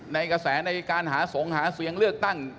ในกระแสในการหาสงฆ์หาเสียงเลือกตั้ง